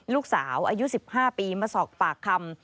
ลูกสาวอายุ๑๕ปีมาสอบปากคำ